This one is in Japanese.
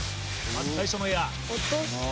まず最初のエア